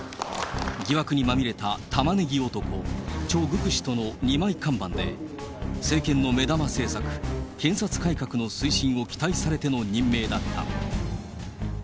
疑惑にまみれたタマネギ男、チョ・グク氏との二枚看板で、政権の目玉政策、検察改革の推進を期待されての任命だった。